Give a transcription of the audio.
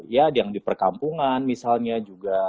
ya yang di perkampungan misalnya juga